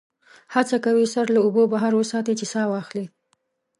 هڅه کوي سر له اوبو بهر وساتي چې سا واخلي.